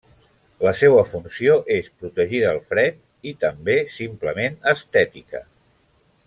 La seua funció és protegir del fred, i també simplement estètica.